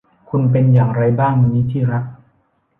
คุณเป็นอย่างไรบ้างวันนี้ที่รัก